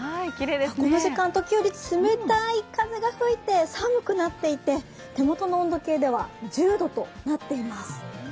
この時間、時折、冷たい風が吹いて寒くなっていて手元の温度計では１０度となっています。